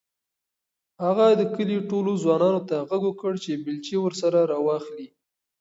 هغه د کلي ټولو ځوانانو ته غږ وکړ چې بیلچې ورسره راواخلي.